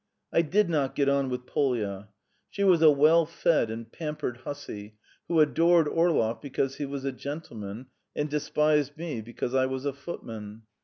I did not get on with Polya. She was a well fed and pampered hussy who adored Orlov because he was a gentleman and despised me because I was a footman.